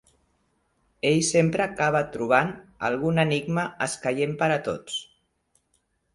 Ell sempre acabava trobant algun enigma escaient per a tots.